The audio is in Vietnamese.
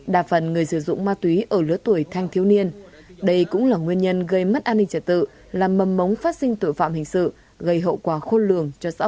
đa phần người sử dụng ma túy ở lứa tuổi thanh thiếu niên đây cũng là nguyên nhân gây mất an ninh trật tự làm mầm mống phát sinh tội phạm hình sự gây hậu quả khôn lường cho xã hội